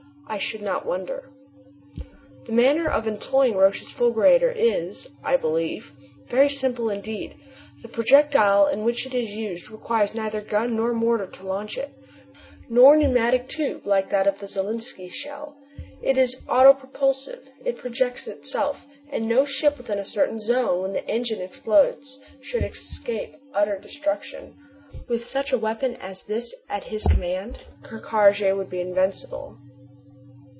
I should not wonder. The manner of employing Roch's fulgurator is, I believe, very simple indeed. The projectile in which it is used requires neither gun nor mortar to launch it, nor pneumatic tube like the Zalinski shell. It is autopropulsive, it projects itself, and no ship within a certain zone when the engine explodes could escape utter destruction. With such a weapon as this at his command Ker Karraje would be invincible.